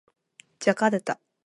ジャカルタ